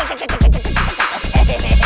om jin dan jun selalu bikin ketawa